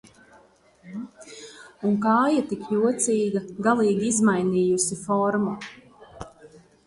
Un kāja tik jocīga, galīgi izmainījusi formu.